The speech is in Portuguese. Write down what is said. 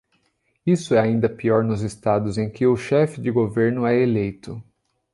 Isso é ainda pior nos estados em que o chefe de governo é eleito.